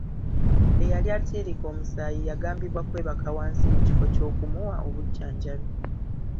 Eyali attiirika omusaayi yagambibwa kwebaka wansi mu kifo ky'okumuwa obujjanjabi.